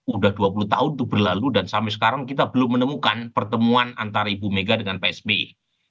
udah dua puluh tahun itu berlalu dan sampai sekarang kita belum menemukan pertemuan antara ibu mega dengan psb